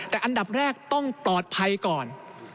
แต่อันดับแรกต้องปลอดภัยก่อน